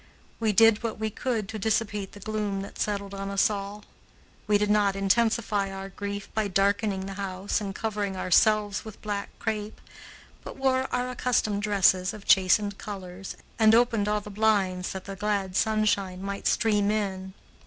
We did what we could to dissipate the gloom that settled on us all. We did not intensify our grief by darkening the house and covering ourselves with black crape, but wore our accustomed dresses of chastened colors and opened all the blinds that the glad sunshine might stream in.